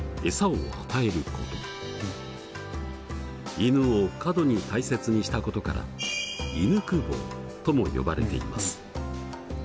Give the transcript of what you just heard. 犬を過度に大切にしたことから犬公方とも呼ばれています。